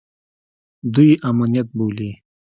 دوى يې امنيت بولي.